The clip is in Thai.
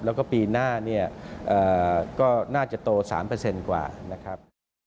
แล้วก็ปีหน้าเนี่ยก็น่าจะโต๓กว่านะครับ